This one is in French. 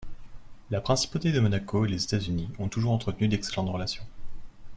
La Principauté de Monaco et les États-Unis ont toujours entretenu d'excellentes relations.